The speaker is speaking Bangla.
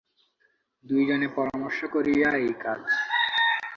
দুইজনে পরামর্শ করিয়া এই কাজ।